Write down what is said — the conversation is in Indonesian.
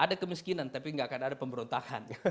ada kemiskinan tapi tidak akan ada pemberontakan